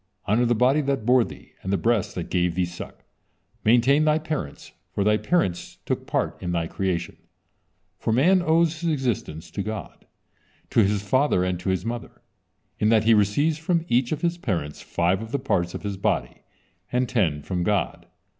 Honor the body that bore thee, and the breasts that gave thee suck, maintain thy parents, for thy parents took part in thy creation." For man owes his existence to God, to his father, and to his mother, in that he receives from each of his parents five of the parts of his body, and ten from God.